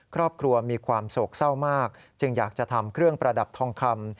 ครอบครัวมีความโศกเศร้ามากจึงอยากจะทำเครื่องประดับทองคำ